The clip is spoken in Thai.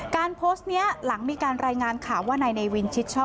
โพสต์นี้หลังมีการรายงานข่าวว่านายเนวินชิดชอบ